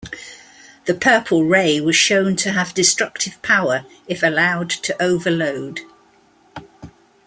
The Purple Ray was shown to have destructive power if allowed to overload.